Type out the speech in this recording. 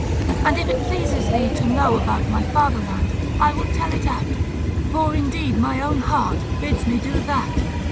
And if it pleases thee to know about my fatherland, I will tell it out; for indeed my own heart bids me do that.